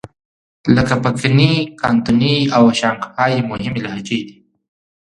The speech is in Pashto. لکه پکني، کانتوني او شانګهای یې مهمې لهجې دي.